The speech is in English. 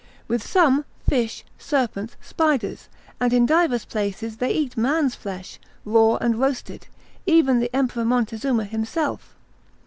With some, fish, serpents, spiders: and in divers places they eat man's flesh, raw and roasted, even the Emperor Montezuma himself.